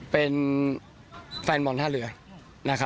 เป็นแฟนบอลท่าเรือนะครับ